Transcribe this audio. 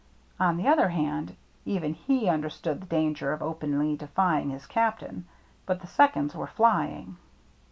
On the other hand, even he understood the danger of openly defying his captain. But the seconds were flying.